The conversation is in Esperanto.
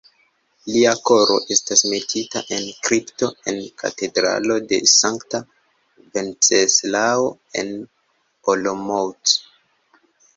Lia koro estas metita en kripto en Katedralo de sankta Venceslao en Olomouc.